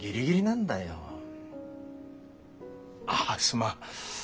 ああすまん。